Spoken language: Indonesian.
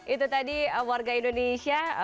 itu tadi warga indonesia